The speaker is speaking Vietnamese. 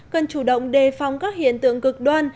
cần chủ động đề phòng các hiện tượng cực đoan